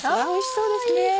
おいしそうですね。